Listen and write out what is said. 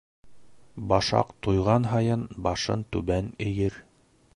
Башаҡ туйған һайын башын түбән эйер.